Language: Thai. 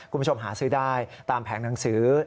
คุณผู้ชมหาซื้อได้ตามแผงหนังสือ